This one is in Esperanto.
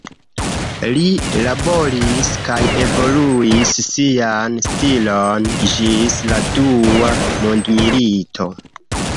Li laboris kaj evoluis sian stilon ĝis la dua mondmilito.